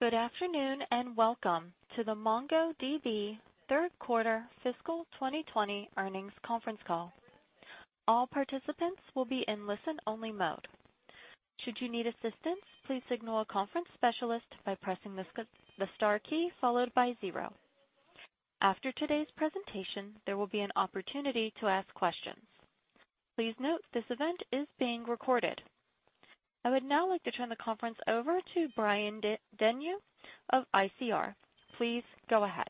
Good afternoon. Welcome to the MongoDB third quarter fiscal 2020 earnings conference call. All participants will be in listen-only mode. Should you need assistance, please signal a conference specialist by pressing the Star key followed by 0. After today's presentation, there will be an opportunity to ask questions. Please note this event is being recorded. I would now like to turn the conference over to Brian Denyeau of ICR. Please go ahead.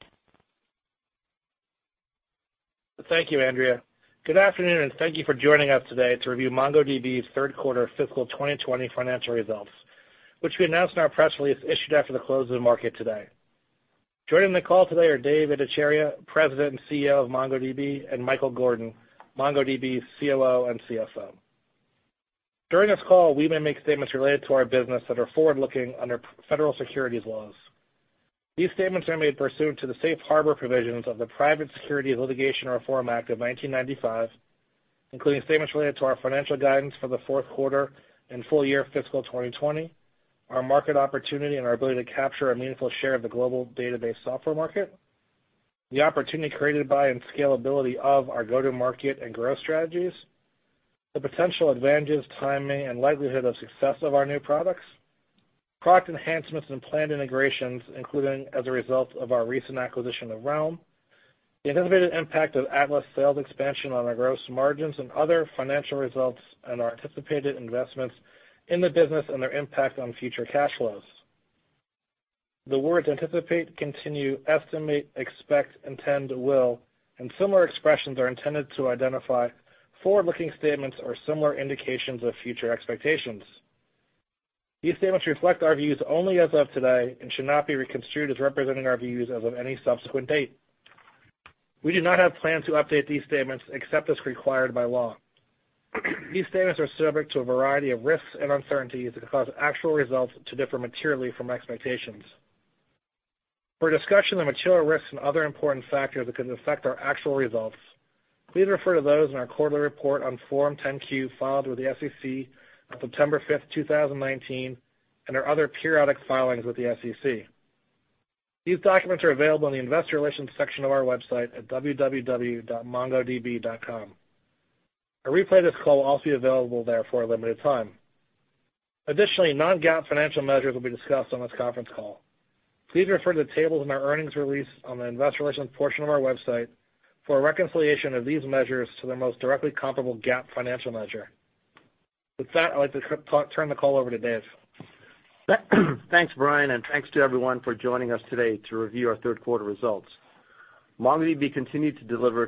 Thank you, Andrea. Good afternoon, and thank you for joining us today to review MongoDB's third quarter fiscal 2020 financial results, which we announced in our press release issued after the close of the market today. Joining the call today are Dev Ittycheria, President and CEO of MongoDB, and Michael Gordon, MongoDB's COO and CFO. During this call, we may make statements related to our business that are forward-looking under federal securities laws. These statements are made pursuant to the safe harbor provisions of the Private Securities Litigation Reform Act of 1995, including statements related to our financial guidance for the fourth quarter and full year fiscal 2020, our market opportunity, and our ability to capture a meaningful share of the global database software market, the opportunity created by and scalability of our go-to-market and growth strategies, the potential advantages, timing, and likelihood of success of our new products, product enhancements and planned integrations, including as a result of our recent acquisition of Realm, the anticipated impact of Atlas sales expansion on our gross margins and other financial results, and our anticipated investments in the business and their impact on future cash flows. The words anticipate, continue, estimate, expect, intend, will, and similar expressions are intended to identify forward-looking statements or similar indications of future expectations. These statements reflect our views only as of today and should not be construed as representing our views as of any subsequent date. We do not have plans to update these statements except as required by law. These statements are subject to a variety of risks and uncertainties that could cause actual results to differ materially from expectations. For a discussion of material risks and other important factors that could affect our actual results, please refer to those in our quarterly report on Form 10-Q filed with the SEC on September fifth, 2019, and our other periodic filings with the SEC. These documents are available in the investor relations section of our website at www.mongodb.com. A replay of this call will also be available there for a limited time. Additionally, non-GAAP financial measures will be discussed on this conference call. Please refer to the tables in our earnings release on the investor relations portion of our website for a reconciliation of these measures to the most directly comparable GAAP financial measure. With that, I'd like to turn the call over to Dev. Thanks, Brian, and thanks to everyone for joining us today to review our third quarter results. MongoDB continued to deliver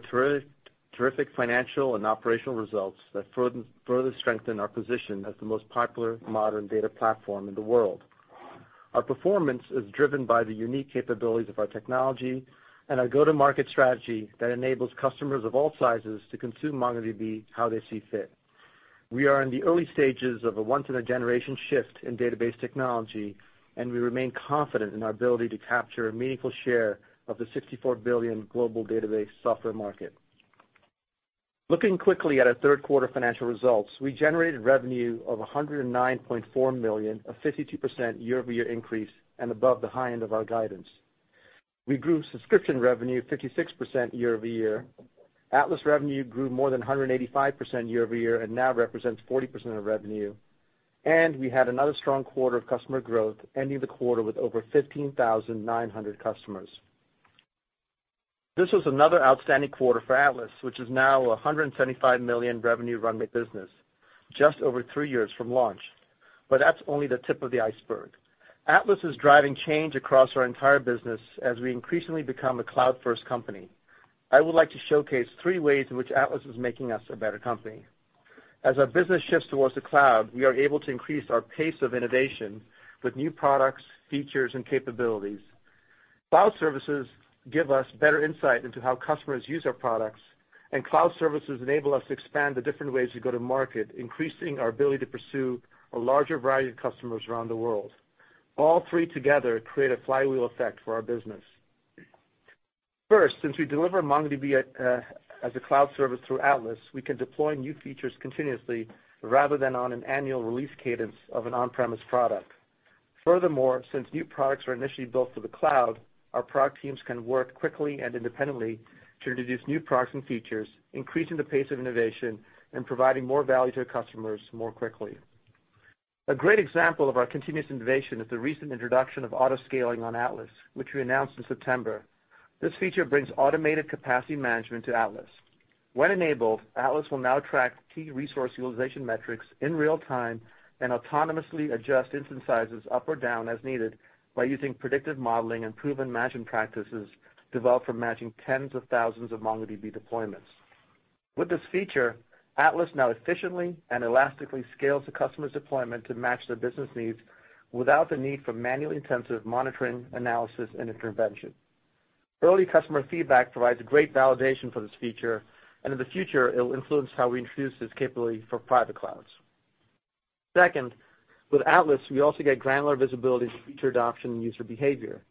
terrific financial and operational results that further strengthen our position as the most popular modern data platform in the world. Our performance is driven by the unique capabilities of our technology and our go-to-market strategy that enables customers of all sizes to consume MongoDB how they see fit. We are in the early stages of a once-in-a-generation shift in database technology, and we remain confident in our ability to capture a meaningful share of the $64 billion global database software market. Looking quickly at our third quarter financial results, we generated revenue of $109.4 million, a 52% year-over-year increase and above the high end of our guidance. We grew subscription revenue 56% year-over-year. Atlas revenue grew more than 185% year-over-year and now represents 40% of revenue. We had another strong quarter of customer growth, ending the quarter with over 15,900 customers. This was another outstanding quarter for Atlas, which is now $175 million revenue runway business, just over three years from launch. That's only the tip of the iceberg. Atlas is driving change across our entire business as we increasingly become a cloud-first company. I would like to showcase three ways in which Atlas is making us a better company. As our business shifts towards the cloud, we are able to increase our pace of innovation with new products, features, and capabilities. Cloud services give us better insight into how customers use our products, and cloud services enable us to expand the different ways we go to market, increasing our ability to pursue a larger variety of customers around the world. All three together create a flywheel effect for our business. First, since we deliver MongoDB as a cloud service through Atlas, we can deploy new features continuously rather than on an annual release cadence of an on-premise product. Furthermore, since new products are initially built for the cloud, our product teams can work quickly and independently to introduce new products and features, increasing the pace of innovation and providing more value to our customers more quickly. A great example of our continuous innovation is the recent introduction of autoscaling on Atlas, which we announced in September. This feature brings automated capacity management to Atlas. When enabled, Atlas will now track key resource utilization metrics in real time and autonomously adjust instance sizes up or down as needed by using predictive modeling and proven matching practices developed from matching tens of thousands of MongoDB deployments. With this feature, Atlas now efficiently and elastically scales the customer's deployment to match their business needs without the need for manually intensive monitoring, analysis, and intervention. Early customer feedback provides great validation for this feature, and in the future, it will influence how we introduce this capability for private clouds. Second, with Atlas, we also get granular visibility to feature adoption and user behavior.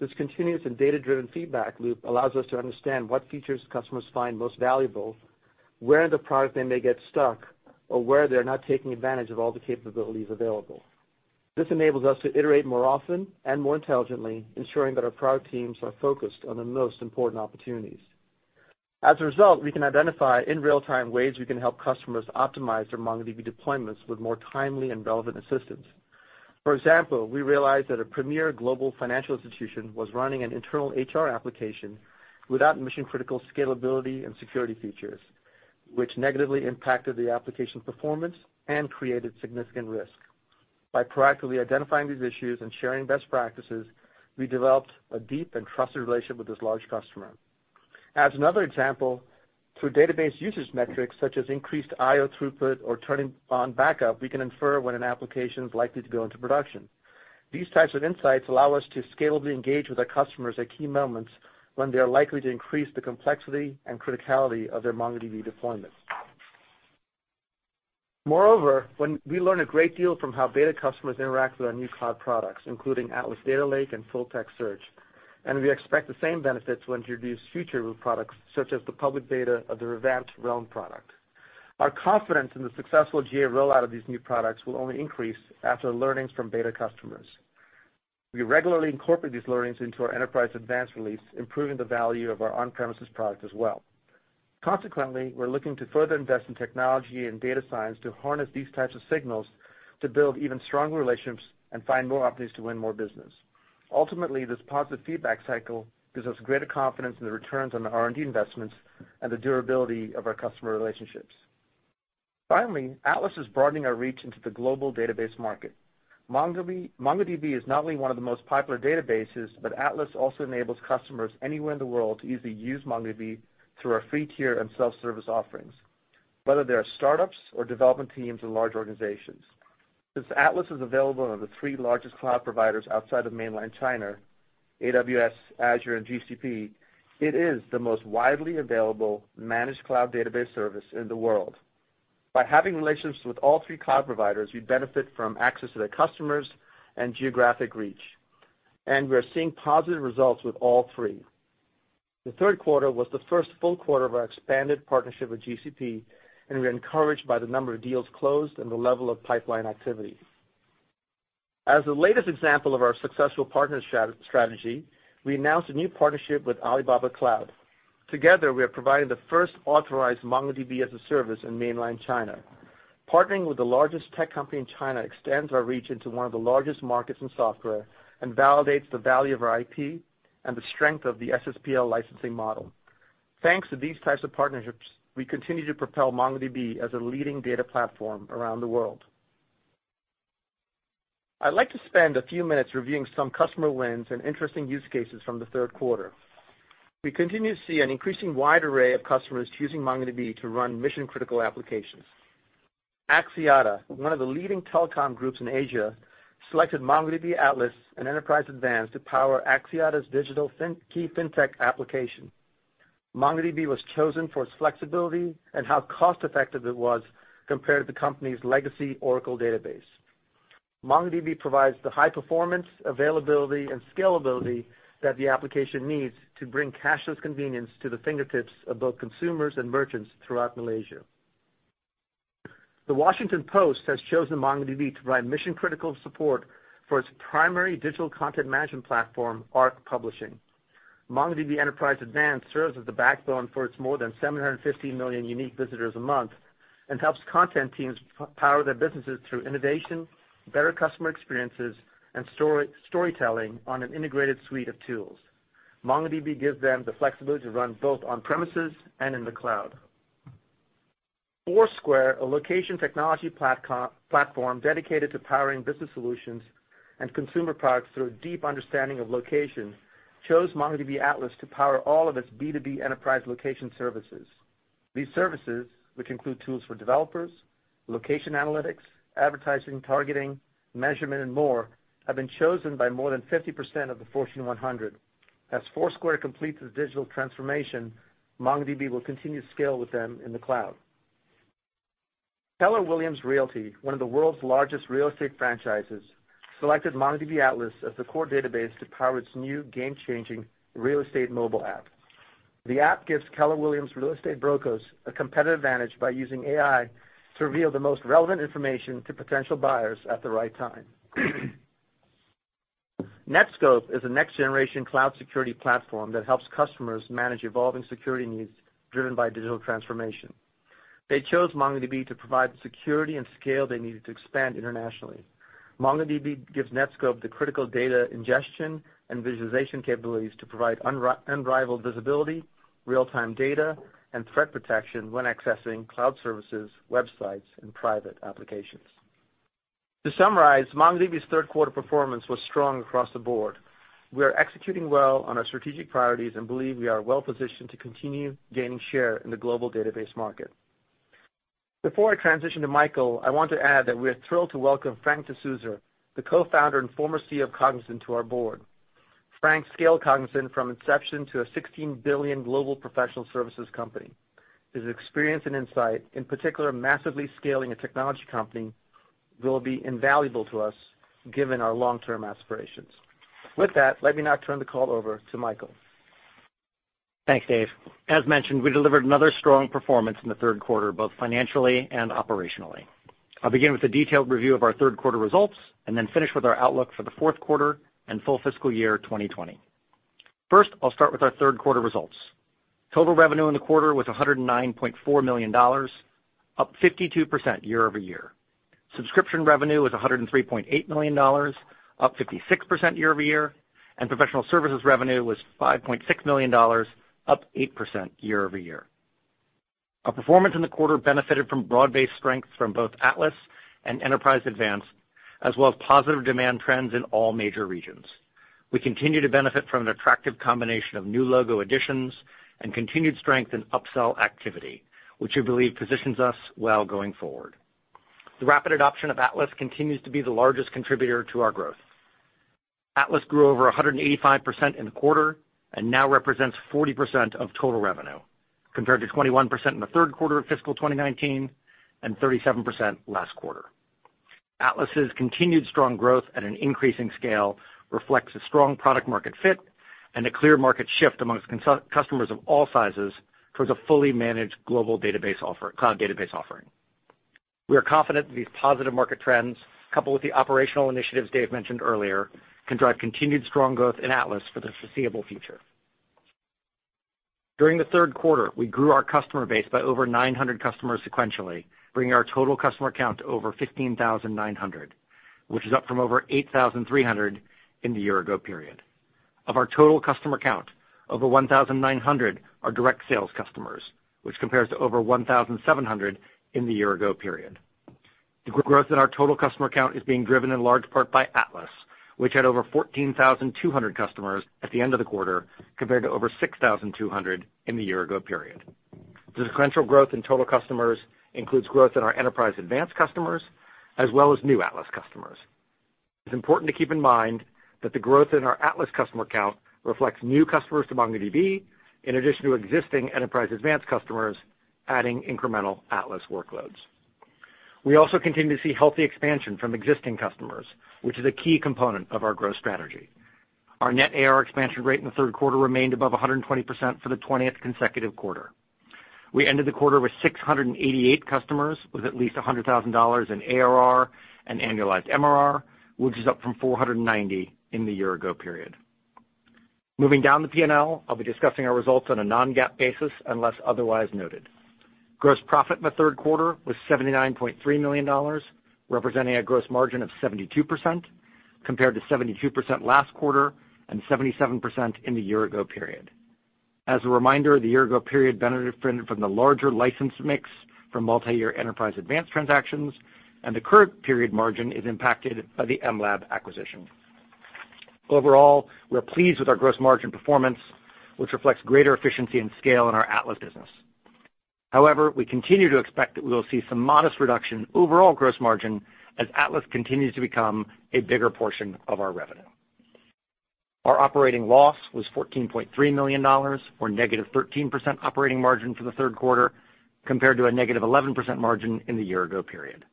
This continuous and data-driven feedback loop allows us to understand what features customers find most valuable. Where in the product they may get stuck, or where they're not taking advantage of all the capabilities available. This enables us to iterate more often and more intelligently, ensuring that our product teams are focused on the most important opportunities. As a result, we can identify in real-time ways we can help customers optimize their MongoDB deployments with more timely and relevant assistance. For example, we realized that a premier global financial institution was running an internal HR application without mission-critical scalability and security features, which negatively impacted the application performance and created significant risk. By proactively identifying these issues and sharing best practices, we developed a deep and trusted relationship with this large customer. As another example, through database usage metrics such as increased IO throughput or turning on backup, we can infer when an application's likely to go into production. These types of insights allow us to scalably engage with our customers at key moments when they're likely to increase the complexity and criticality of their MongoDB deployment. Moreover, when we learn a great deal from how beta customers interact with our new cloud products, including Atlas Data Lake and Full Text Search, we expect the same benefits when introducing future products, such as the public beta of the revamped Realm product. Our confidence in the successful GA rollout of these new products will only increase after learnings from beta customers. We regularly incorporate these learnings into our Enterprise Advanced release, improving the value of our on-premises product as well. Consequently, we're looking to further invest in technology and data science to harness these types of signals to build even stronger relationships and find more opportunities to win more business. Ultimately, this positive feedback cycle gives us greater confidence in the returns on the R&D investments and the durability of our customer relationships. Finally, Atlas is broadening our reach into the global database market. MongoDB is not only one of the most popular databases, but Atlas also enables customers anywhere in the world to easily use MongoDB through our free tier and self-service offerings, whether they are startups or development teams in large organizations. Since Atlas is available on the 3 largest cloud providers outside of mainland China, AWS, Azure, and GCP, it is the most widely available managed cloud database service in the world. By having relationships with all 3 cloud providers, we benefit from access to their customers and geographic reach, and we are seeing positive results with all 3. The 3rd quarter was the first full quarter of our expanded partnership with GCP, and we are encouraged by the number of deals closed and the level of pipeline activity. As the latest example of our successful partner strategy, we announced a new partnership with Alibaba Cloud. Together, we are providing the first authorized MongoDB as a service in mainland China. Partnering with the largest tech company in China extends our reach into one of the largest markets in software and validates the value of our IP and the strength of the SSPL licensing model. Thanks to these types of partnerships, we continue to propel MongoDB as a leading data platform around the world. I'd like to spend a few minutes reviewing some customer wins and interesting use cases from the third quarter. We continue to see an increasing wide array of customers choosing MongoDB to run mission-critical applications. Axiata, one of the leading telecom groups in Asia, selected MongoDB Atlas and Enterprise Advanced to power Axiata's digital key FinTech application. MongoDB was chosen for its flexibility and how cost-effective it was compared to the company's legacy Oracle database. MongoDB provides the high performance, availability, and scalability that the application needs to bring cashless convenience to the fingertips of both consumers and merchants throughout Malaysia. The Washington Post has chosen MongoDB to provide mission-critical support for its primary digital content management platform, Arc Publishing. MongoDB Enterprise Advanced serves as the backbone for its more than 750 million unique visitors a month and helps content teams power their businesses through innovation, better customer experiences, and storytelling on an integrated suite of tools. MongoDB gives them the flexibility to run both on premises and in the cloud. Foursquare, a location technology platform dedicated to powering business solutions and consumer products through a deep understanding of location, chose MongoDB Atlas to power all of its B2B enterprise location services. These services, which include tools for developers, location analytics, advertising, targeting, measurement, and more, have been chosen by more than 50% of the Fortune 100. As Foursquare completes its digital transformation, MongoDB will continue to scale with them in the cloud. Keller Williams Realty, one of the world's largest real estate franchises, selected MongoDB Atlas as the core database to power its new game-changing real estate mobile app. The app gives Keller Williams real estate brokers a competitive advantage by using AI to reveal the most relevant information to potential buyers at the right time. Netskope is a next-generation cloud security platform that helps customers manage evolving security needs driven by digital transformation. They chose MongoDB to provide the security and scale they needed to expand internationally. MongoDB gives Netskope the critical data ingestion and visualization capabilities to provide unrivaled visibility, real-time data, and threat protection when accessing cloud services, websites, and private applications. To summarize, MongoDB's third quarter performance was strong across the board. We are executing well on our strategic priorities and believe we are well-positioned to continue gaining share in the global database market. Before I transition to Michael, I want to add that we're thrilled to welcome Frank D'Souza, the co-founder and former CEO of Cognizant, to our board. Frank scaled Cognizant from inception to a $16 billion global professional services company. His experience and insight, in particular, massively scaling a technology company will be invaluable to us given our long-term aspirations. With that, let me now turn the call over to Michael. Thanks, Dev. As mentioned, we delivered another strong performance in the third quarter, both financially and operationally. I'll begin with a detailed review of our third quarter results and then finish with our outlook for the fourth quarter and full fiscal year 2020. First, I'll start with our third quarter results. Total revenue in the quarter was $109.4 million, up 52% year-over-year. Subscription revenue was $103.8 million, up 56% year-over-year, and professional services revenue was $5.6 million, up 8% year-over-year. Our performance in the quarter benefited from broad-based strengths from both Atlas and Enterprise Advanced, as well as positive demand trends in all major regions. We continue to benefit from an attractive combination of new logo additions and continued strength in upsell activity, which we believe positions us well going forward. The rapid adoption of Atlas continues to be the largest contributor to our growth. Atlas grew over 185% in the quarter and now represents 40% of total revenue, compared to 21% in the third quarter of fiscal 2019 and 37% last quarter. Atlas's continued strong growth at an increasing scale reflects a strong product market fit and a clear market shift amongst customers of all sizes towards a fully managed global cloud database offering. We are confident that these positive market trends, coupled with the operational initiatives Dev mentioned earlier, can drive continued strong growth in Atlas for the foreseeable future. During the third quarter, we grew our customer base by over 900 customers sequentially, bringing our total customer count to over 15,900, which is up from over 8,300 in the year ago period. Of our total customer count, over 1,900 are direct sales customers, which compares to over 1,700 in the year ago period. The growth in our total customer count is being driven in large part by Atlas, which had over 14,200 customers at the end of the quarter, compared to over 6,200 in the year ago period. The sequential growth in total customers includes growth in our Enterprise Advanced customers, as well as new Atlas customers. It's important to keep in mind that the growth in our Atlas customer count reflects new customers to MongoDB, in addition to existing Enterprise Advanced customers adding incremental Atlas workloads. We also continue to see healthy expansion from existing customers, which is a key component of our growth strategy. Our net ARR expansion rate in the third quarter remained above 120% for the 20th consecutive quarter. We ended the quarter with 688 customers with at least $100,000 in ARR and annualized MRR, which is up from 490 in the year ago period. Moving down the P&L, I'll be discussing our results on a non-GAAP basis unless otherwise noted. Gross profit in the third quarter was $79.3 million, representing a gross margin of 72%, compared to 72% last quarter and 77% in the year ago period. As a reminder, the year ago period benefited from the larger license mix from multi-year Enterprise Advanced transactions, and the current period margin is impacted by the mLab acquisition. Overall, we're pleased with our gross margin performance, which reflects greater efficiency and scale in our Atlas business. However, we continue to expect that we will see some modest reduction in overall gross margin as Atlas continues to become a bigger portion of our revenue. Our operating loss was $14.3 million, or -13% operating margin for the third quarter, compared to a -11% margin in the year-ago period.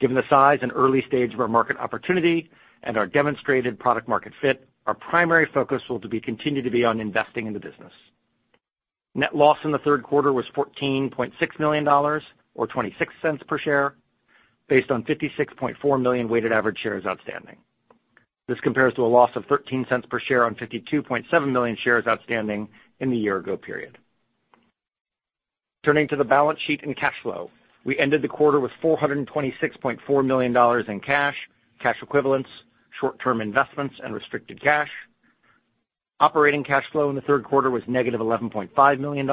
Given the size and early stage of our market opportunity and our demonstrated product market fit, our primary focus will continue to be on investing in the business. Net loss in the third quarter was $14.6 million, or $0.26 per share based on 56.4 million weighted average shares outstanding. This compares to a loss of $0.13 per share on 52.7 million shares outstanding in the year-ago period. Turning to the balance sheet and cash flow, we ended the quarter with $426.4 million in cash equivalents, short-term investments, and restricted cash. Operating cash flow in the third quarter was negative $11.5 million.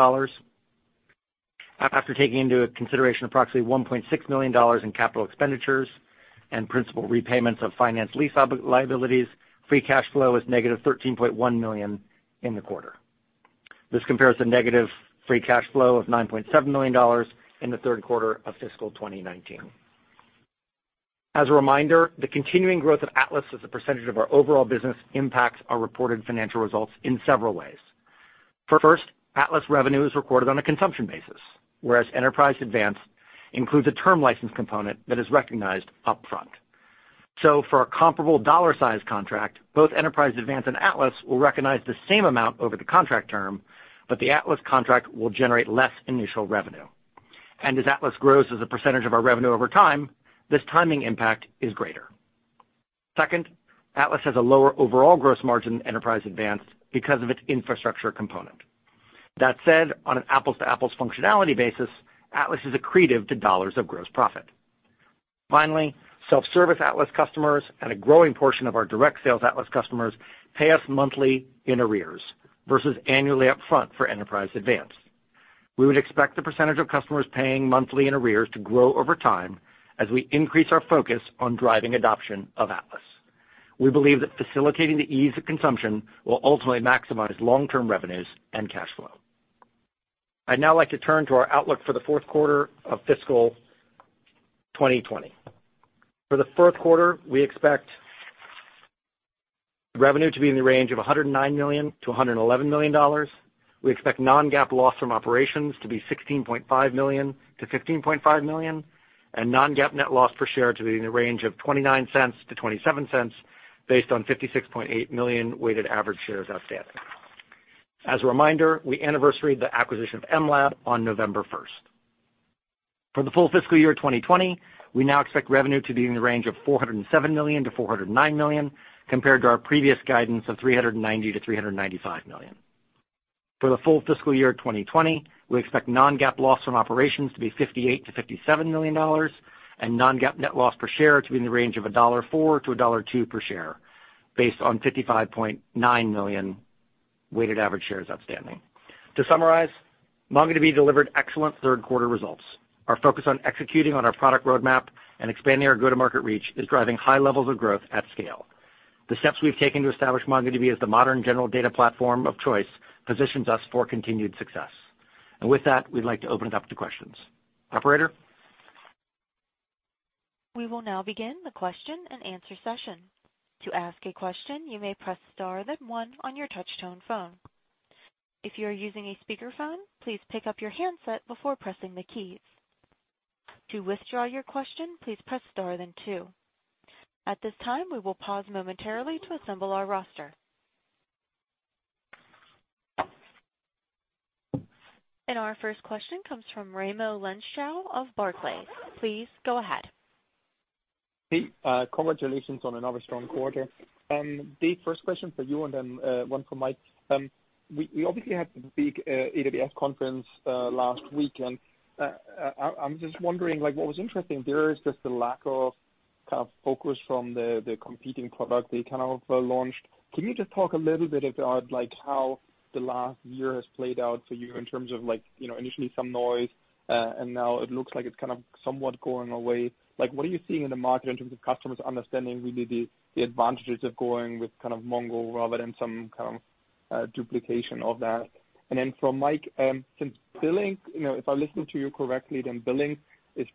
After taking into consideration approximately $1.6 million in capital expenditures and principal repayments of finance lease liabilities, free cash flow was negative $13.1 million in the quarter. This compares to negative free cash flow of $9.7 million in the third quarter of fiscal 2019. As a reminder, the continuing growth of Atlas as a percentage of our overall business impacts our reported financial results in several ways. First, Atlas revenue is recorded on a consumption basis, whereas Enterprise Advanced includes a term license component that is recognized upfront. For a comparable dollar size contract, both Enterprise Advanced and Atlas will recognize the same amount over the contract term, but the Atlas contract will generate less initial revenue. As Atlas grows as a percentage of our revenue over time, this timing impact is greater. Atlas has a lower overall gross margin than Enterprise Advanced because of its infrastructure component. That said, on an apples-to-apples functionality basis, Atlas is accretive to dollars of gross profit. Self-service Atlas customers and a growing portion of our direct sales Atlas customers pay us monthly in arrears versus annually upfront for Enterprise Advanced. We would expect the percentage of customers paying monthly in arrears to grow over time as we increase our focus on driving adoption of Atlas. We believe that facilitating the ease of consumption will ultimately maximize long-term revenues and cash flow. I'd now like to turn to our outlook for the fourth quarter of fiscal 2020. For the fourth quarter, we expect revenue to be in the range of $109 million-$111 million. We expect non-GAAP loss from operations to be $16.5 million-$15.5 million, and non-GAAP net loss per share to be in the range of $0.29-$0.27, based on 56.8 million weighted average shares outstanding. As a reminder, we anniversaried the acquisition of mLab on November 1st. For the full fiscal year 2020, we now expect revenue to be in the range of $407 million-$409 million, compared to our previous guidance of $390 million-$395 million. For the full fiscal year 2020, we expect non-GAAP loss from operations to be $58 million-$57 million, and non-GAAP net loss per share to be in the range of $1.04-$1.02 per share, based on 55.9 million weighted average shares outstanding. To summarize, MongoDB delivered excellent third quarter results. Our focus on executing on our product roadmap and expanding our go-to-market reach is driving high levels of growth at scale. The steps we've taken to establish MongoDB as the modern general data platform of choice positions us for continued success. With that, we'd like to open it up to questions. Operator? We will now begin the question and answer session. To ask a question, you may press star then one on your touch tone phone. If you are using a speakerphone, please pick up your handset before pressing the keys. To withdraw your question, please press star then two. At this time, we will pause momentarily to assemble our roster. Our first question comes from Raimo Lenschow of Barclays. Please go ahead. Hey, congratulations on another strong quarter. Dev, first question for you and then one for Mike. We obviously had the big AWS conference last week, and I'm just wondering, what was interesting there is just the lack of focus from the competing product they kind of launched. Can you just talk a little bit about how the last year has played out for you in terms of initially some noise, and now it looks like it's kind of somewhat going away. What are you seeing in the market in terms of customers understanding really the advantages of going with kind of Mongo rather than some kind of duplication of that? Then for Mike, since billing, if I listened to you correctly, then billing is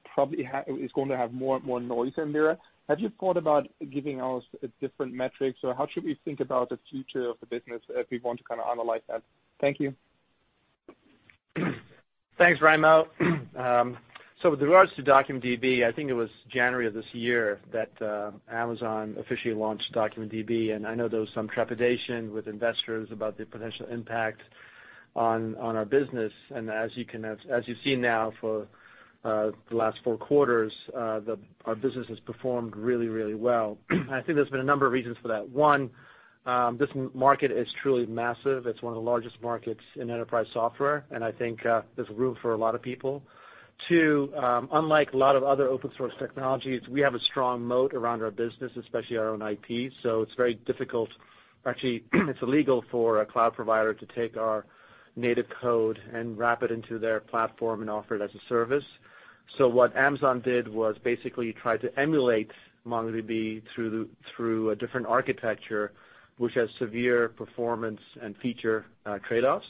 going to have more and more noise in there. Have you thought about giving us a different metric? How should we think about the future of the business if we want to kind of analyze that? Thank you. Thanks, Raimo. With regards to DocumentDB, I think it was January of this year that Amazon officially launched DocumentDB, and I know there was some trepidation with investors about the potential impact on our business. As you've seen now for the last four quarters, our business has performed really well. I think there's been a number of reasons for that. One, this market is truly massive. It's one of the largest markets in enterprise software, I think there's room for a lot of people. Two, unlike a lot of other open source technologies, we have a strong moat around our business, especially our own IP. It's very difficult, or actually, it's illegal for a cloud provider to take our native code and wrap it into their platform and offer it as a service. What Amazon did was basically tried to emulate MongoDB through a different architecture, which has severe performance and feature trade-offs.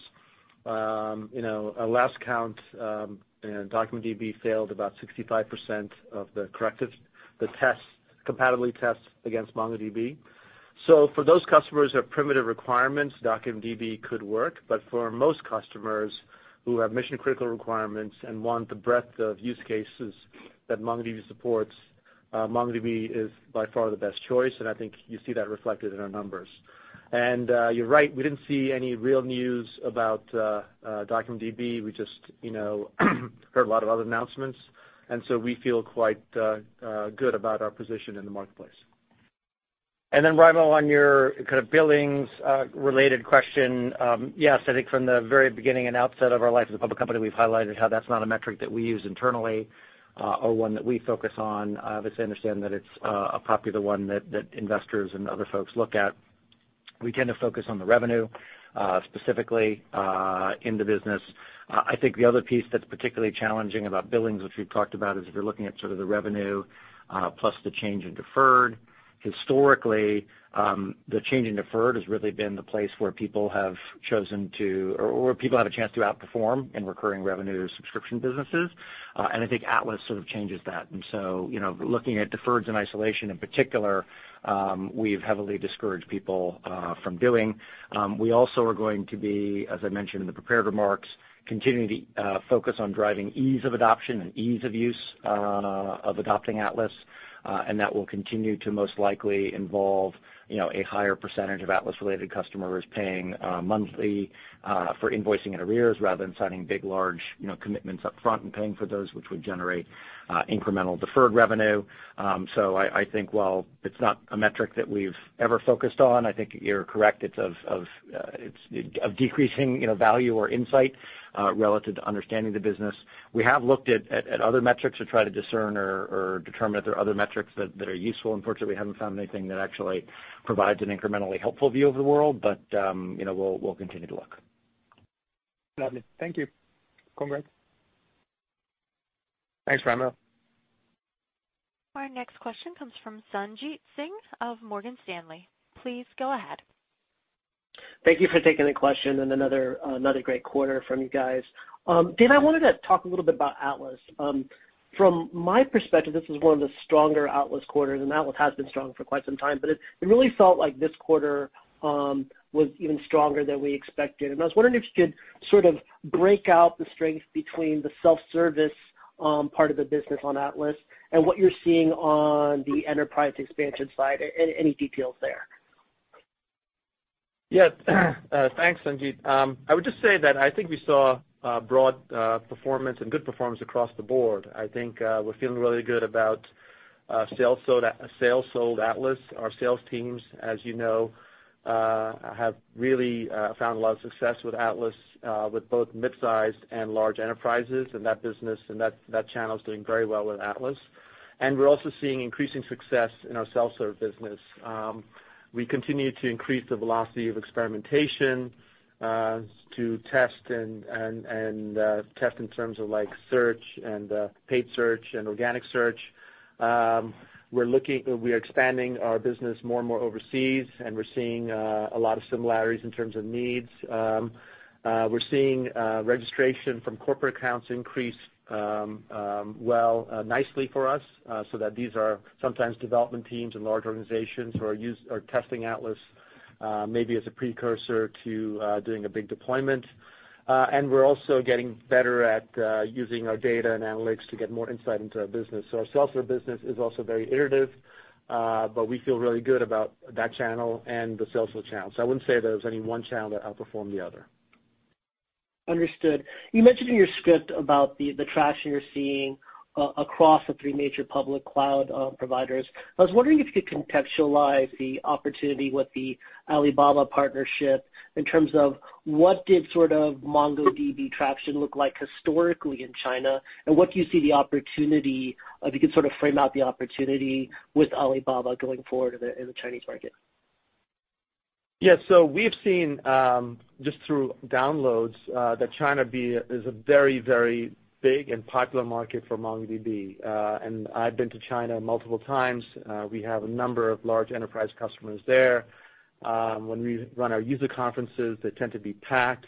At last count, DocumentDB failed about 65% of the corrective compatibility tests against MongoDB. For those customers who have primitive requirements, DocumentDB could work. But for most customers who have mission-critical requirements and want the breadth of use cases that MongoDB supports, MongoDB is by far the best choice, and I think you see that reflected in our numbers. You're right, we didn't see any real news about DocumentDB. We just heard a lot of other announcements, and so we feel quite good about our position in the marketplace. Raimo, on your kind of billings related question, yes, I think from the very beginning and outset of our life as a public company, we've highlighted how that's not a metric that we use internally or one that we focus on. Obviously, understand that it's a popular one that investors and other folks look at. We tend to focus on the revenue, specifically, in the business. I think the other piece that's particularly challenging about billings, which we've talked about, is if you're looking at sort of the revenue plus the change in deferred. Historically, the change in deferred has really been the place where people have a chance to outperform in recurring revenue subscription businesses. I think Atlas sort of changes that. Looking at deferreds in isolation in particular, we've heavily discouraged people from doing. We also are going to be, as I mentioned in the prepared remarks, continuing to focus on driving ease of adoption and ease of use of adopting Atlas. That will continue to most likely involve a higher percentage of Atlas-related customers paying monthly for invoicing in arrears rather than signing big, large commitments up front and paying for those, which would generate incremental deferred revenue. I think while it's not a metric that we've ever focused on, I think you're correct, it's of decreasing value or insight relative to understanding the business. We have looked at other metrics to try to discern or determine if there are other metrics that are useful. Unfortunately, we haven't found anything that actually provides an incrementally helpful view of the world. We'll continue to look. Lovely. Thank you. Congrats. Thanks, Raimo. Our next question comes from Sanjit Singh of Morgan Stanley. Please go ahead. Thank you for taking the question and another great quarter from you guys. Dev, I wanted to talk a little bit about Atlas. From my perspective, this was one of the stronger Atlas quarters, and Atlas has been strong for quite some time, but it really felt like this quarter was even stronger than we expected. I was wondering if you could sort of break out the strength between the self-service part of the business on Atlas and what you're seeing on the enterprise expansion side, any details there? Yes. Thanks, Sanjit. I would just say that I think we saw a broad performance and good performance across the board. I think we're feeling really good about sales sold Atlas. Our sales teams, as you know, have really found a lot of success with Atlas, with both mid-sized and large enterprises, and that business and that channel's doing very well with Atlas. We're also seeing increasing success in our self-serve business. We continue to increase the velocity of experimentation, to test in terms of search and paid search and organic search. We are expanding our business more and more overseas, and we're seeing a lot of similarities in terms of needs. We're seeing registration from corporate accounts increase nicely for us, so that these are sometimes development teams and large organizations who are testing Atlas, maybe as a precursor to doing a big deployment. We're also getting better at using our data and analytics to get more insight into our business. Our self-serve business is also very iterative, but we feel really good about that channel and the sales channel. I wouldn't say there's any one channel that outperformed the other. Understood. You mentioned in your script about the traction you're seeing across the three major public cloud providers. I was wondering if you could contextualize the opportunity with the Alibaba partnership in terms of what did sort of MongoDB traction look like historically in China. What do you see the opportunity, if you could sort of frame out the opportunity with Alibaba going forward in the Chinese market? Yeah, we've seen, just through downloads, that China is a very, very big and popular market for MongoDB. I've been to China multiple times. We have a number of large enterprise customers there. When we run our user conferences, they tend to be packed.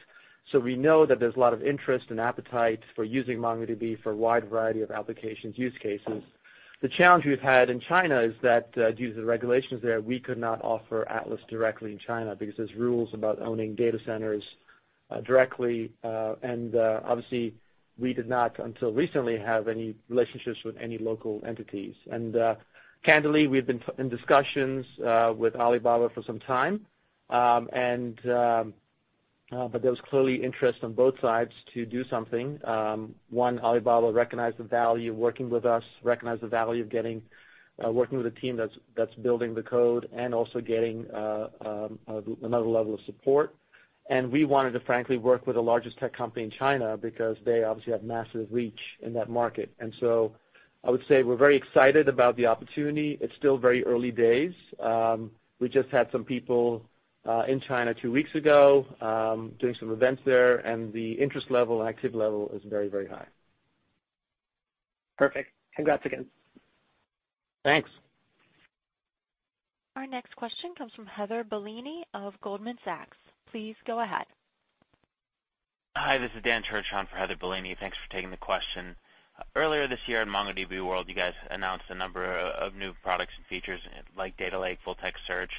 We know that there's a lot of interest and appetite for using MongoDB for a wide variety of applications use cases. The challenge we've had in China is that due to the regulations there, we could not offer Atlas directly in China because there's rules about owning data centers directly. Obviously, we did not, until recently, have any relationships with any local entities. Candidly, we've been in discussions with Alibaba for some time. There was clearly interest on both sides to do something. One, Alibaba recognized the value of working with us, recognized the value of working with a team that's building the code and also getting another level of support. We wanted to frankly work with the largest tech company in China because they obviously have massive reach in that market. I would say we're very excited about the opportunity. It's still very early days. We just had some people in China two weeks ago, doing some events there, and the interest level and activity level is very, very high. Perfect. Congrats again. Thanks. Our next question comes from Heather Bellini of Goldman Sachs. Please go ahead. Hi, this is Dan Turchon for Heather Bellini. Thanks for taking the question. Earlier this year at MongoDB World, you guys announced a number of new products and features like Data Lake, Full Text Search.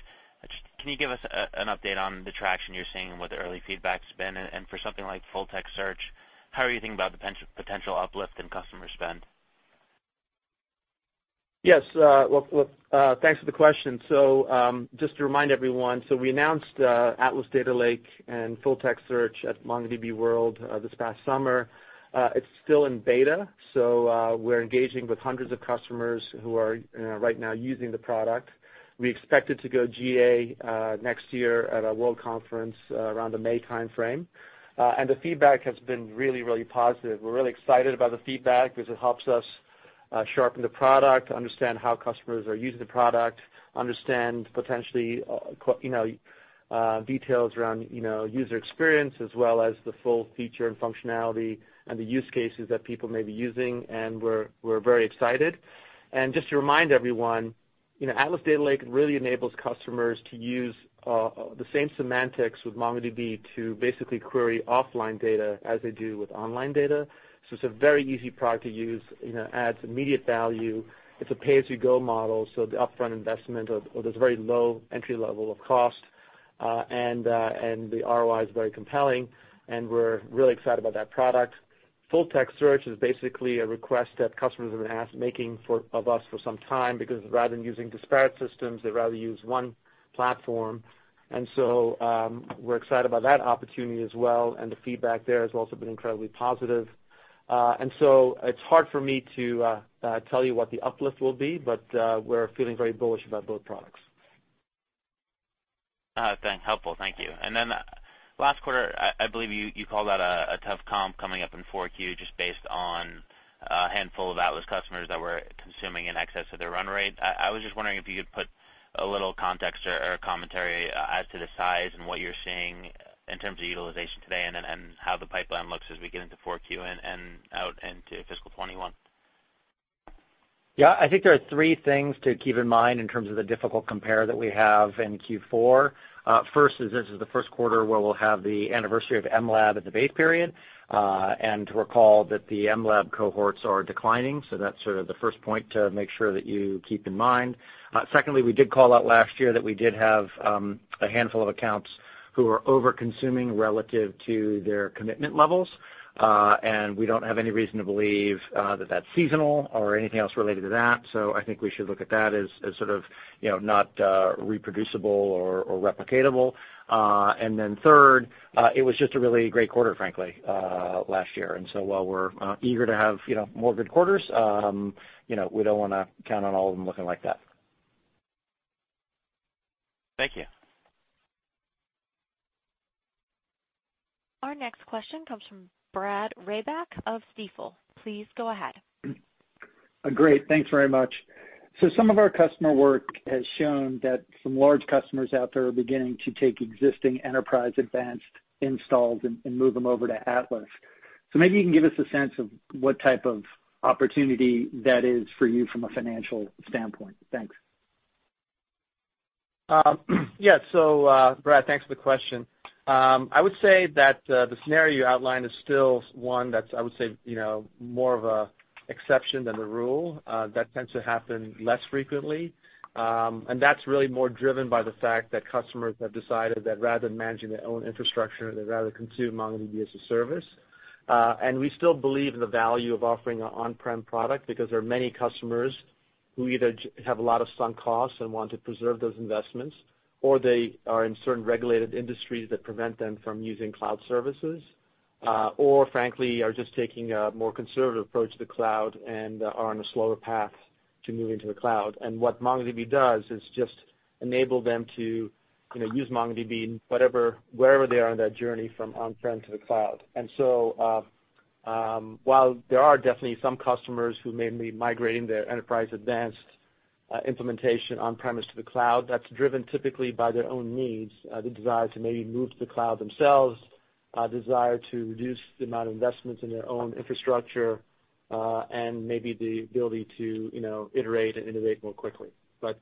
Can you give us an update on the traction you're seeing and what the early feedback's been? For something like Full Text Search, how are you thinking about the potential uplift in customer spend? Yes. Well, thanks for the question. Just to remind everyone, we announced Atlas Data Lake and Full Text Search at MongoDB World this past summer. It's still in beta, we're engaging with hundreds of customers who are right now using the product. We expect it to go GA next year at our World Conference around the May timeframe. The feedback has been really, really positive. We're really excited about the feedback because it helps us sharpen the product, understand how customers are using the product, understand potentially details around user experience as well as the full feature and functionality and the use cases that people may be using, and we're very excited. Just to remind everyone, Atlas Data Lake really enables customers to use the same semantics with MongoDB to basically query offline data as they do with online data. It's a very easy product to use, adds immediate value. It's a pay-as-you-go model, the upfront investment or there's very low entry level of cost. The ROI is very compelling, and we're really excited about that product. Full Text Search is basically a request that customers have been making of us for some time because rather than using disparate systems, they'd rather use one platform. We're excited about that opportunity as well, and the feedback there has also been incredibly positive. It's hard for me to tell you what the uplift will be, but we're feeling very bullish about both products. Thanks. Helpful. Thank you. Last quarter, I believe you called out a tough comp coming up in 4Q just based on a handful of Atlas customers that were consuming in excess of their run rate. I was just wondering if you could put a little context or commentary as to the size and what you're seeing in terms of utilization today and then how the pipeline looks as we get into 4Q and out into fiscal 2021? I think there are three things to keep in mind in terms of the difficult compare that we have in Q4. First is this is the first quarter where we'll have the anniversary of mLab at the base period, and to recall that the mLab cohorts are declining. That's sort of the first point to make sure that you keep in mind. Secondly, we did call out last year that we did have a handful of accounts who are over-consuming relative to their commitment levels. We don't have any reason to believe that's seasonal or anything else related to that. I think we should look at that as sort of not reproducible or replicatable. Then third, it was just a really great quarter, frankly, last year. While we're eager to have more good quarters, we don't want to count on all of them looking like that. Thank you. Our next question comes from Brad Reback of Stifel. Please go ahead. Great. Thanks very much. Some of our customer work has shown that some large customers out there are beginning to take existing Enterprise Advanced installs and move them over to Atlas. Maybe you can give us a sense of what type of opportunity that is for you from a financial standpoint. Thanks. Yeah. Brad, thanks for the question. I would say that the scenario you outlined is still one that's, I would say, more of an exception than the rule. That tends to happen less frequently. That's really more driven by the fact that customers have decided that rather than managing their own infrastructure, they'd rather consume MongoDB as a service. We still believe in the value of offering an on-prem product because there are many customers who either have a lot of sunk costs and want to preserve those investments, or they are in certain regulated industries that prevent them from using cloud services, or frankly, are just taking a more conservative approach to the cloud and are on a slower path to moving to the cloud. What MongoDB does is just enable them to use MongoDB wherever they are on that journey from on-prem to the cloud. While there are definitely some customers who may be migrating their Enterprise Advanced implementation on-premise to the cloud, that's driven typically by their own needs, the desire to maybe move to the cloud themselves, a desire to reduce the amount of investments in their own infrastructure, and maybe the ability to iterate and innovate more quickly.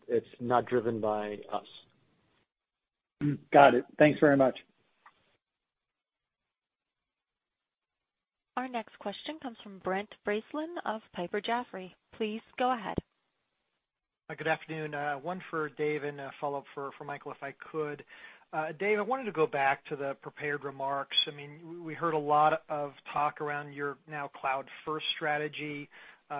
It's not driven by us. Got it. Thanks very much. Our next question comes from Brent Bracelin of Piper Jaffray. Please go ahead. Good afternoon. One for Dev and a follow-up for Michael, if I could. Dev, I wanted to go back to the prepared remarks. We heard a lot of talk around your now cloud-first strategy,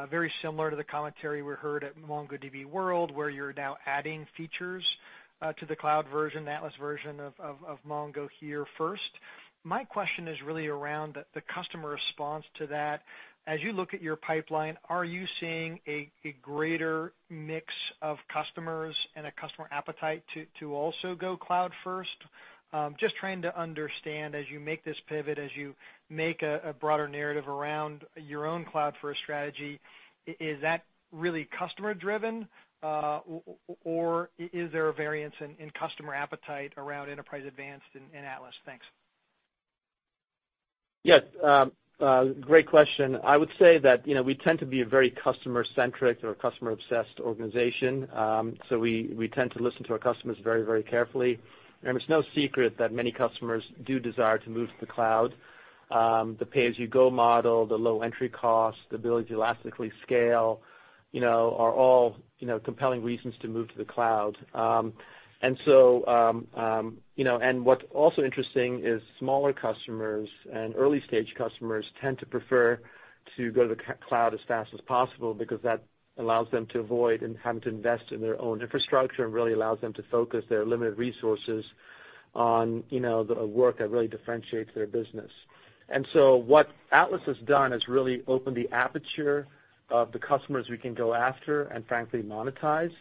very similar to the commentary we heard at MongoDB World, where you're now adding features to the cloud version, the Atlas version of Mongo here first. My question is really around the customer response to that. As you look at your pipeline, are you seeing a greater mix of customers and a customer appetite to also go cloud first? Just trying to understand as you make this pivot, as you make a broader narrative around your own cloud-first strategy, is that really customer-driven? Or is there a variance in customer appetite around Enterprise Advanced and Atlas? Thanks. Yes. Great question. I would say that we tend to be a very customer-centric or customer-obsessed organization. We tend to listen to our customers very carefully. It's no secret that many customers do desire to move to the cloud. The pay-as-you-go model, the low entry cost, the ability to elastically scale, are all compelling reasons to move to the cloud. What's also interesting is smaller customers and early-stage customers tend to prefer to go to the cloud as fast as possible because that allows them to avoid having to invest in their own infrastructure and really allows them to focus their limited resources on the work that really differentiates their business. What Atlas has done is really open the aperture of the customers we can go after and frankly, monetize.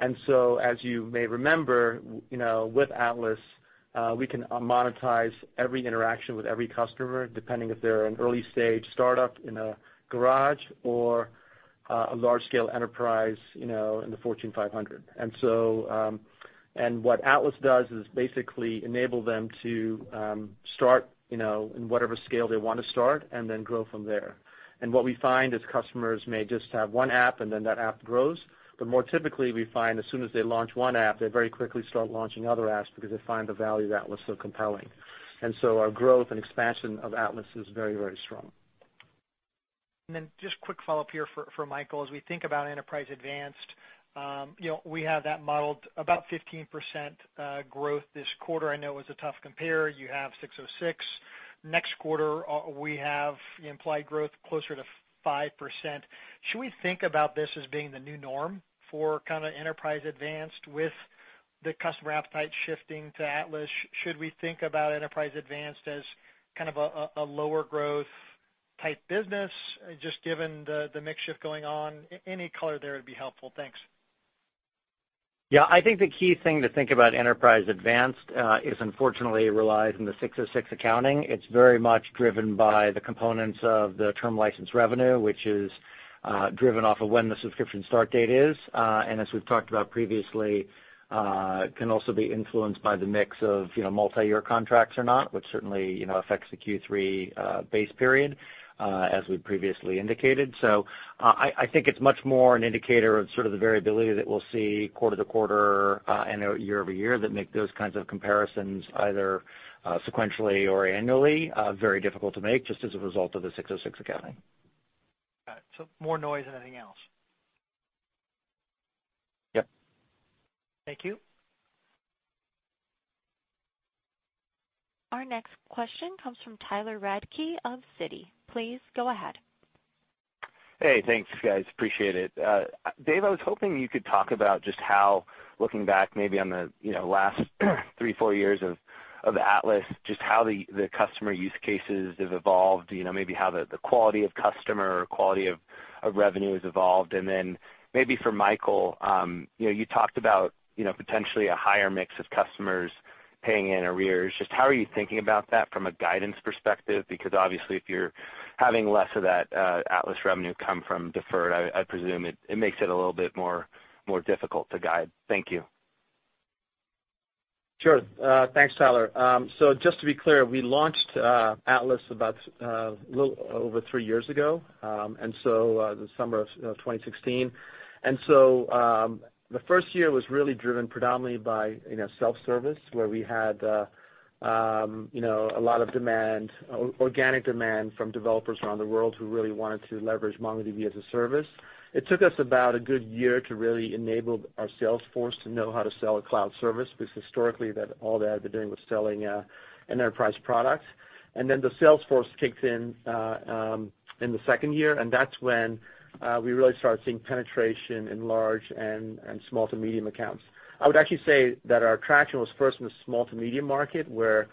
As you may remember, with Atlas, we can monetize every interaction with every customer, depending if they're an early-stage startup in a garage or a large-scale enterprise in the Fortune 500. What Atlas does is basically enable them to start in whatever scale they want to start and then grow from there. What we find is customers may just have one app and then that app grows. More typically, we find as soon as they launch one app, they very quickly start launching other apps because they find the value of Atlas so compelling. Our growth and expansion of Atlas is very strong. Just a quick follow-up here for Michael. As we think about Enterprise Advanced, we have that modeled about 15% growth this quarter. I know it was a tough compare. You have ASC 606. Next quarter, we have the implied growth closer to 5%. Should we think about this as being the new norm for kind of Enterprise Advanced with the customer appetite shifting to Atlas? Should we think about Enterprise Advanced as kind of a lower growth type business, just given the mix shift going on? Any color there would be helpful. Thanks. I think the key thing to think about Enterprise Advanced is unfortunately, it relies on the 606 accounting. It's very much driven by the components of the term license revenue, which is driven off of when the subscription start date is. As we've talked about previously, can also be influenced by the mix of multi-year contracts or not, which certainly affects the Q3 base period, as we've previously indicated. I think it's much more an indicator of sort of the variability that we'll see quarter-over-quarter and year-over-year that make those kinds of comparisons, either sequentially or annually, very difficult to make just as a result of the 606 accounting. Got it. More noise than anything else. Yep. Thank you. Our next question comes from Tyler Radke of Citi. Please go ahead. Hey, thanks, guys. Appreciate it. Dev, I was hoping you could talk about just how, looking back maybe on the last three, four years of Atlas, just how the customer use cases have evolved, maybe how the quality of customer or quality of revenue has evolved. Maybe for Michael, you talked about potentially a higher mix of customers paying in arrears. Just how are you thinking about that from a guidance perspective? Obviously if you're having less of that Atlas revenue come from deferred, I presume it makes it a little bit more difficult to guide. Thank you. Sure. Thanks, Tyler. Just to be clear, we launched Atlas about a little over 3 years ago, the summer of 2016. The 1st year was really driven predominantly by self-service, where we had a lot of organic demand from developers around the world who really wanted to leverage MongoDB as a service. It took us about a good year to really enable our sales force to know how to sell a cloud service, because historically all they had been doing was selling an enterprise product. Then the sales force kicked in the 2nd year, and that's when we really started seeing penetration in large and small to medium accounts. I would actually say that our traction was first in the small to medium market, where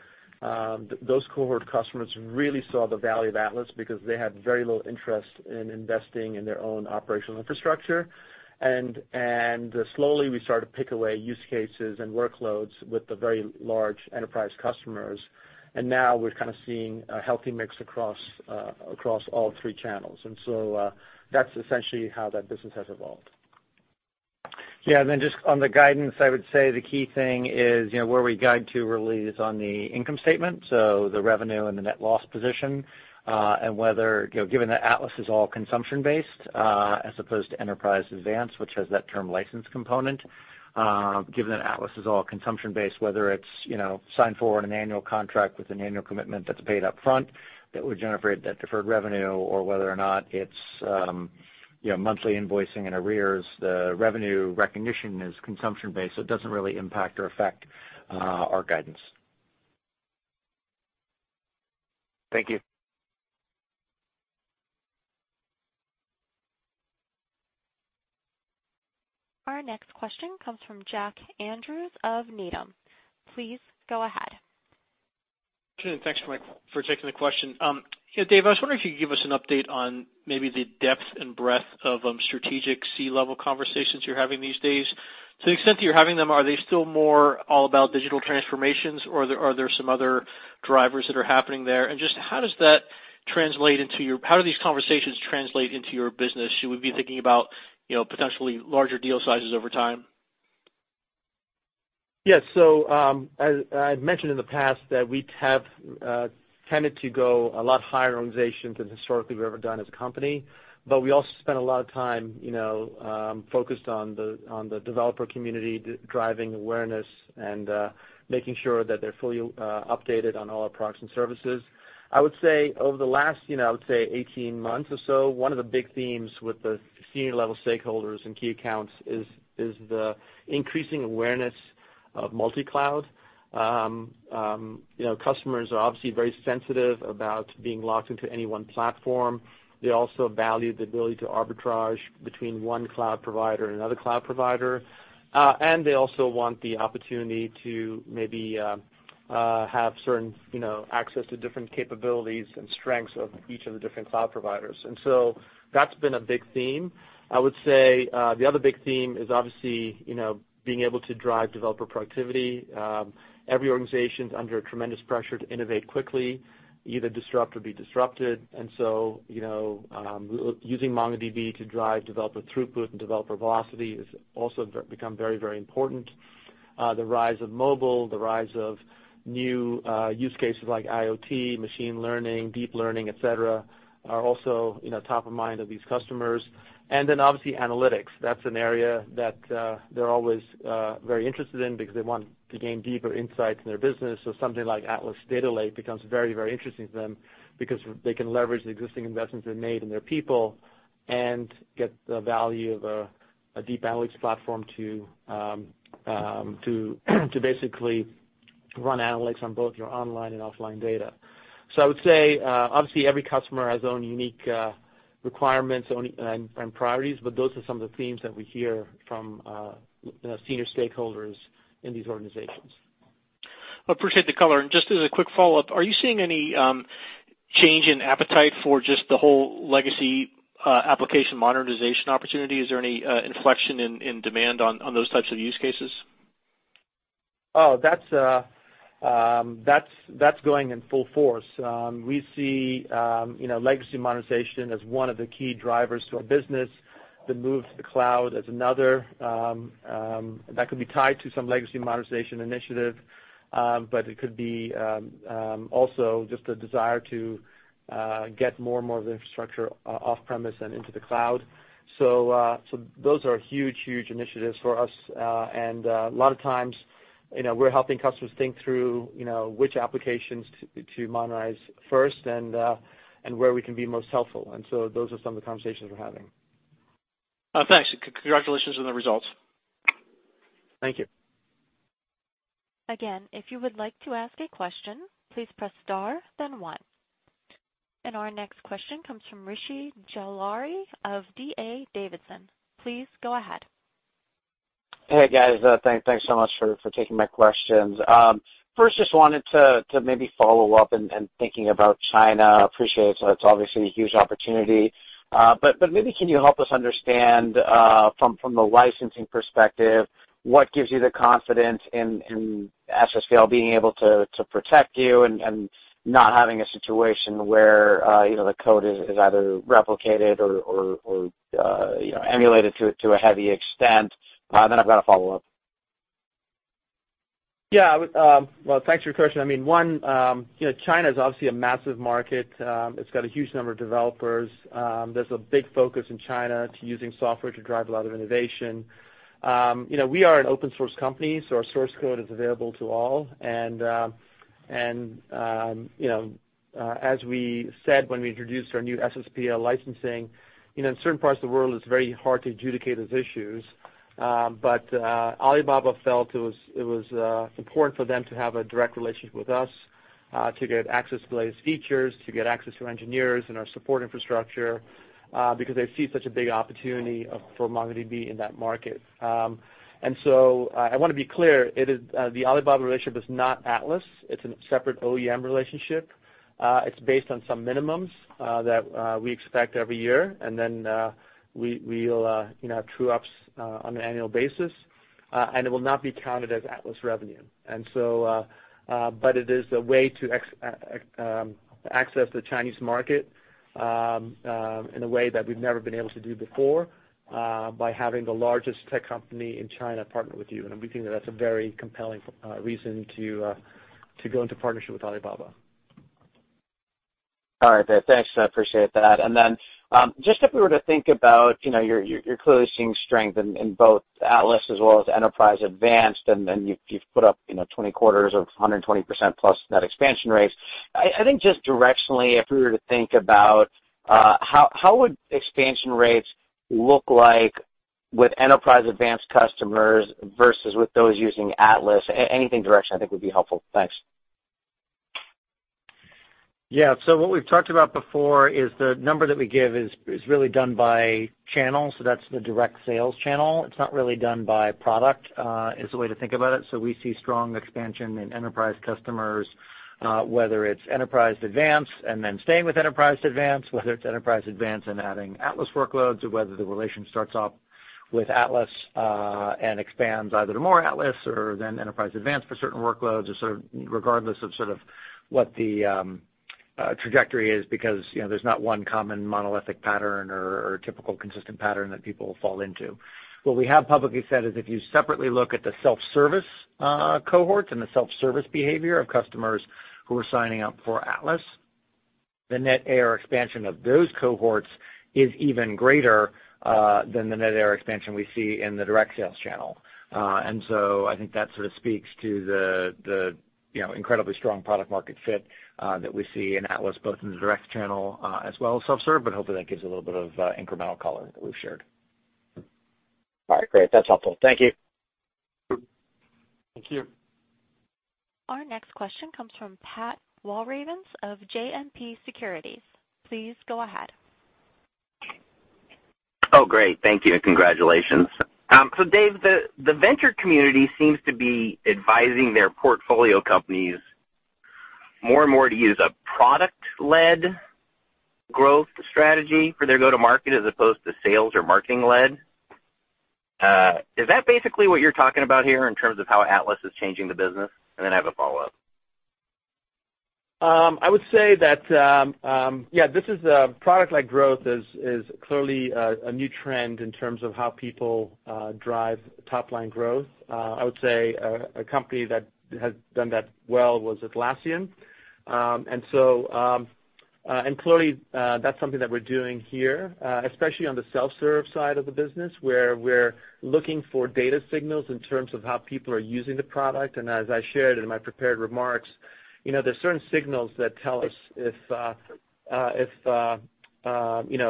those cohort customers really saw the value of Atlas because they had very little interest in investing in their own operational infrastructure. Slowly we started to pick away use cases and workloads with the very large enterprise customers. Now we're kind of seeing a healthy mix across all three channels. That's essentially how that business has evolved. Just on the guidance, I would say the key thing is where we guide to really is on the income statement, so the revenue and the net loss position, and whether, given that Atlas is all consumption-based, as opposed to Enterprise Advanced, which has that term license component. Given that Atlas is all consumption-based, whether it's signed forward an annual contract with an annual commitment that's paid upfront, that would generate that deferred revenue, or whether or not it's monthly invoicing and arrears. The revenue recognition is consumption-based, so it doesn't really impact or affect our guidance. Thank you. Our next question comes from Jack Andrews of Needham. Please go ahead. Sure. Thanks for taking the question. Dev, I was wondering if you could give us an update on maybe the depth and breadth of strategic C-level conversations you're having these days. To the extent that you're having them, are they still more all about digital transformations, or are there some other drivers that are happening there? Just how do these conversations translate into your business? Should we be thinking about potentially larger deal sizes over time? Yes. I've mentioned in the past that we have tended to go a lot higher in organizations than historically we've ever done as a company. We also spend a lot of time focused on the developer community, driving awareness, and making sure that they're fully updated on all our products and services. I would say over the last 18 months or so, one of the big themes with the senior-level stakeholders and key accounts is the increasing awareness of multi-cloud. Customers are obviously very sensitive about being locked into any one platform. They also value the ability to arbitrage between one cloud provider and another cloud provider. They also want the opportunity to maybe have certain access to different capabilities and strengths of each of the different cloud providers. That's been a big theme. I would say the other big theme is obviously being able to drive developer productivity. Every organization's under tremendous pressure to innovate quickly, either disrupt or be disrupted. Using MongoDB to drive developer throughput and developer velocity has also become very important. The rise of mobile, the rise of new use cases like IoT, machine learning, deep learning, et cetera, are also top of mind of these customers. Obviously analytics. That's an area that they're always very interested in because they want to gain deeper insights in their business. Something like Atlas Data Lake becomes very interesting to them because they can leverage the existing investments they've made in their people and get the value of a deep analytics platform to basically run analytics on both your online and offline data. I would say, obviously, every customer has own unique requirements and priorities, but those are some of the themes that we hear from senior stakeholders in these organizations. I appreciate the color. Just as a quick follow-up, are you seeing any change in appetite for just the whole legacy application modernization opportunity? Is there any inflection in demand on those types of use cases? That's going in full force. We see legacy modernization as one of the key drivers to our business. The move to the cloud is another that could be tied to some legacy modernization initiative, but it could be also just a desire to get more and more of the infrastructure off-premise and into the cloud. Those are huge initiatives for us. A lot of times, we're helping customers think through which applications to modernize first and where we can be most helpful. Those are some of the conversations we're having. Thanks. Congratulations on the results. Thank you. Again, if you would like to ask a question, please press star, then one. Our next question comes from Rishi Jaluria of D.A. Davidson. Please go ahead. Hey, guys. Thanks so much for taking my questions. Wanted to maybe follow up and thinking about China. Appreciate it. It's obviously a huge opportunity. Maybe can you help us understand, from the licensing perspective, what gives you the confidence in SSPL being able to protect you and not having a situation where the code is either replicated or emulated to a heavy extent? I've got a follow-up. Well, thanks for your question. China is obviously a massive market. It's got a huge number of developers. There's a big focus in China to using software to drive a lot of innovation. We are an open source company, so our source code is available to all. As we said when we introduced our new SSPL licensing, in certain parts of the world, it's very hard to adjudicate those issues. Alibaba felt it was important for them to have a direct relationship with us, to get access to the latest features, to get access to our engineers and our support infrastructure, because they see such a big opportunity for MongoDB in that market. I want to be clear, the Alibaba relationship is not Atlas. It's a separate OEM relationship. It's based on some minimums that we expect every year. Then we will true up on an annual basis. It will not be counted as Atlas revenue. It is a way to access the Chinese market in a way that we've never been able to do before, by having the largest tech company in China partner with you. We think that that's a very compelling reason to go into partnership with Alibaba. All right. Thanks. I appreciate that. Just if we were to think about, you're clearly seeing strength in both Atlas as well as Enterprise Advanced, and then you've put up 20 quarters of 120% plus net expansion rates. I think just directionally, if we were to think about how would expansion rates look like with Enterprise Advanced customers versus with those using Atlas? Anything directionally I think would be helpful. Thanks. Yeah. What we've talked about before is the number that we give is really done by channel, so that's the direct sales channel. It's not really done by product, is the way to think about it. We see strong expansion in enterprise customers, whether it's Enterprise Advanced and then staying with Enterprise Advanced, whether it's Enterprise Advanced and adding Atlas workloads, or whether the relation starts off with Atlas and expands either to more Atlas or then Enterprise Advanced for certain workloads, regardless of what the trajectory is, because there's not one common monolithic pattern or typical consistent pattern that people fall into. What we have publicly said is if you separately look at the self-service cohorts and the self-service behavior of customers who are signing up for Atlas, the net AR expansion of those cohorts is even greater than the net AR expansion we see in the direct sales channel. I think that sort of speaks to the incredibly strong product market fit that we see in Atlas, both in the direct channel as well as self-serve. Hopefully that gives a little bit of incremental color that we've shared. All right, great. That's helpful. Thank you. Thank you. Our next question comes from Pat Walravens of JMP Securities. Please go ahead. Oh, great. Thank you, and congratulations. Dev, the venture community seems to be advising their portfolio companies more and more to use a product-led growth strategy for their go-to market as opposed to sales or marketing-led. Is that basically what you're talking about here in terms of how Atlas is changing the business? I have a follow-up. I would say that, yeah, product-led growth is clearly a new trend in terms of how people drive top-line growth. I would say a company that has done that well was Atlassian. Clearly, that's something that we're doing here, especially on the self-serve side of the business, where we're looking for data signals in terms of how people are using the product. As I shared in my prepared remarks, there's certain signals that tell us if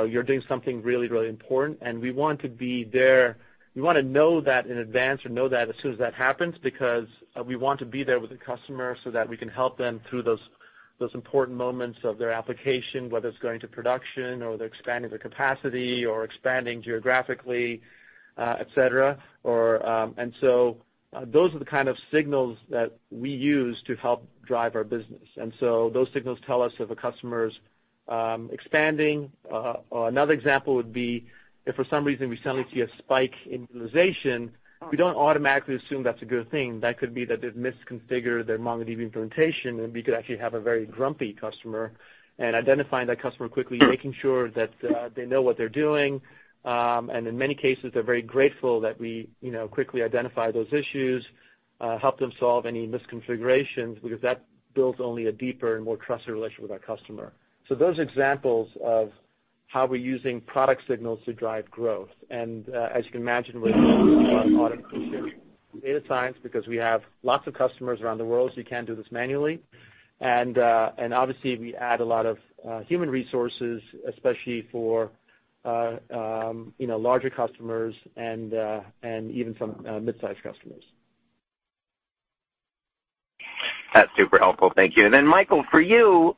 you're doing something really important, and we want to know that in advance or know that as soon as that happens, because we want to be there with the customer so that we can help them through those important moments of their application, whether it's going to production or they're expanding their capacity or expanding geographically, et cetera. Those are the kind of signals that we use to help drive our business. Those signals tell us if a customer's expanding. Another example would be if for some reason we suddenly see a spike in utilization, we don't automatically assume that's a good thing. That could be that they've misconfigured their MongoDB implementation, and we could actually have a very grumpy customer. Identifying that customer quickly, making sure that they know what they're doing, and in many cases, they're very grateful that we quickly identify those issues, help them solve any misconfigurations, because that builds only a deeper and more trusted relationship with our customer. Those are examples of how we're using product signals to drive growth. As you can imagine, with a lot of data science, because we have lots of customers around the world, so you can't do this manually. Obviously, we add a lot of human resources, especially for larger customers and even some mid-size customers. That's super helpful. Thank you. Michael, for you,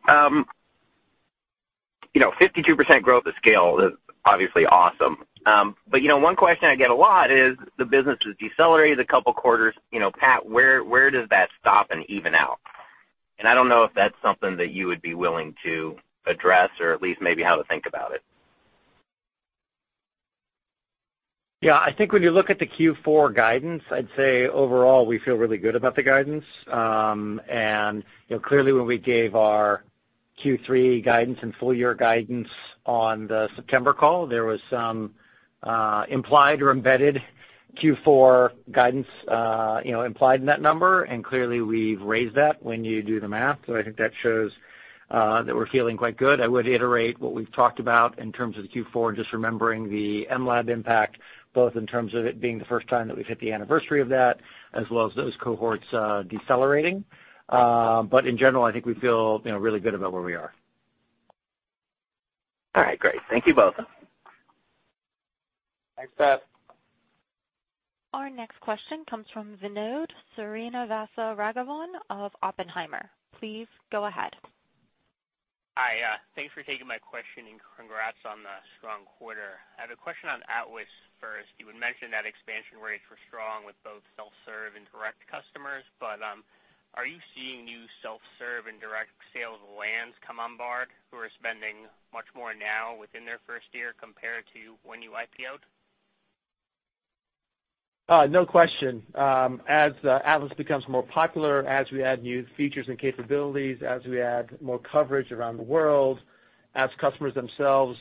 52% growth to scale is obviously awesome. One question I get a lot is the business has decelerated a couple quarters. Pat, where does that stop and even out? I don't know if that's something that you would be willing to address or at least maybe how to think about it. Yeah, I think when you look at the Q4 guidance, I'd say overall, we feel really good about the guidance. Clearly, when we gave our Q3 guidance and full year guidance on the September call, there was some implied or embedded Q4 guidance implied in that number. Clearly, we've raised that when you do the math. I think that shows that we're feeling quite good. I would iterate what we've talked about in terms of Q4 and just remembering the mLab impact, both in terms of it being the first time that we've hit the anniversary of that, as well as those cohorts decelerating. In general, I think we feel really good about where we are. All right, great. Thank you both. Thanks, Pat. Our next question comes from Vinod Srinivasaraghavan of Oppenheimer. Please go ahead. Hi. Thanks for taking my question and congrats on the strong quarter. I have a question on Atlas first. You had mentioned that expansion rates were strong with both self-serve and direct customers, are you seeing new self-serve and direct sales lands come on board who are spending much more now within their first year compared to when you IPO'd? No question. As Atlas becomes more popular, as we add new features and capabilities, as we add more coverage around the world, as customers themselves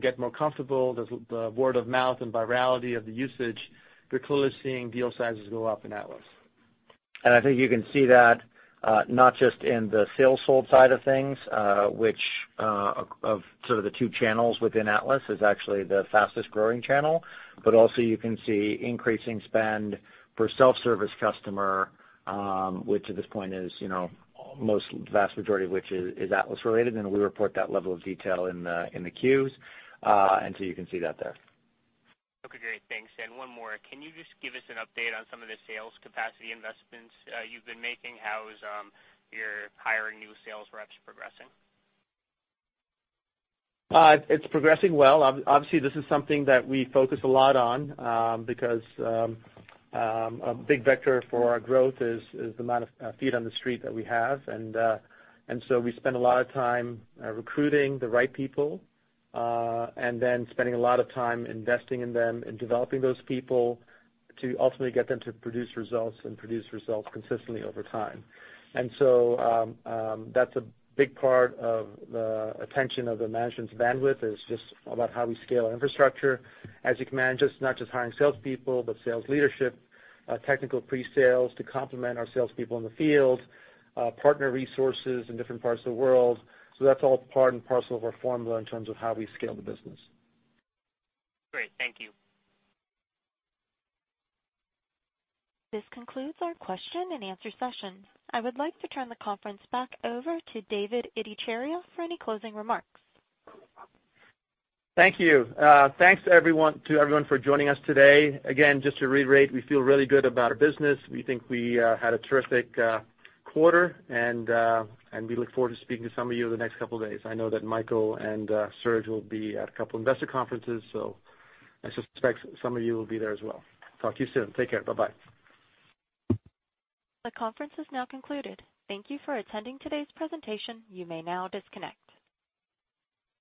get more comfortable, the word of mouth and virality of the usage, we're clearly seeing deal sizes go up in Atlas. I think you can see that not just in the sales sold side of things, which of sort of the two channels within Atlas is actually the fastest-growing channel. Also you can see increasing spend per self-service customer, which at this point is most vast majority of which is Atlas related. We report that level of detail in the 10-Qs. You can see that there. Okay, great. Thanks. One more. Can you just give us an update on some of the sales capacity investments you've been making? How is your hiring new sales reps progressing? It's progressing well. This is something that we focus a lot on because a big vector for our growth is the amount of feet on the street that we have. We spend a lot of time recruiting the right people and then spending a lot of time investing in them and developing those people to ultimately get them to produce results and produce results consistently over time. That's a big part of the attention of the management's bandwidth is just about how we scale infrastructure. As you can imagine, it's not just hiring salespeople, but sales leadership, technical pre-sales to complement our salespeople in the field, partner resources in different parts of the world. That's all part and parcel of our formula in terms of how we scale the business. Great. Thank you. This concludes our question and answer session. I would like to turn the conference back over to Dev Ittycheria for any closing remarks. Thank you. Thanks to everyone for joining us today. Just to reiterate, we feel really good about our business. We think we had a terrific quarter, and we look forward to speaking to some of you in the next couple of days. I know that Michael and Serge will be at a couple investor conferences. I suspect some of you will be there as well. Talk to you soon. Take care. Bye-bye. The conference is now concluded. Thank you for attending today's presentation. You may now disconnect.